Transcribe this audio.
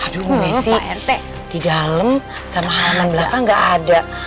aduh miesi di dalam sama halaman belakang gak ada